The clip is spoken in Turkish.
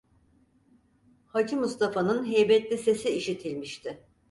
Hacı Mustafa'nın heybetli sesi işitilmişti.